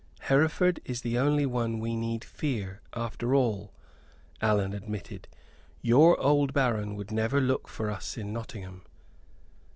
"Hereford is the only one we need fear, after all," Allan admitted; "your old baron would never look for us in Nottingham."